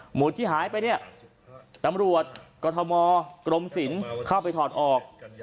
หมวดที่หายไปตำรวจกรมศิลป์เข้าไปถอดออก